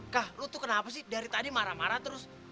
kah lu tuh kenapa sih dari tadi marah marah terus